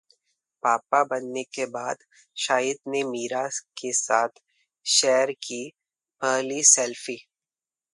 पापा बनने के बाद शाहिद ने मीरा के साथ शेयर की पहली सेल्फी